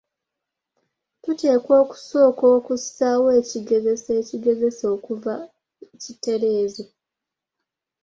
Tuteekwa okusooka okussaawo ekigezeso ekigezeka okuva mu kiteerezo.